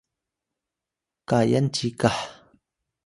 kayan cikah